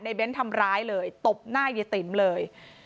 เบ้นทำร้ายเลยตบหน้าเยติ๋มเลย